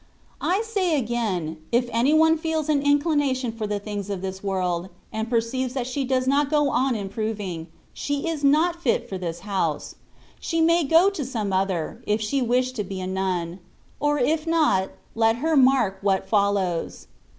I say again, if any one feels an inclination for the things of this world, and perceives that she does not go on improving, she is not fit for this house; she may go to some other, if she wish to be a nun ; or if not, let her mark what follows.